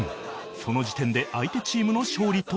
その時点で相手チームの勝利となる